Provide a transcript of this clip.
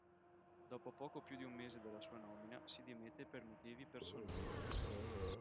Dopo poco più di un mese dalla sua nomina si dimette per motivi personali.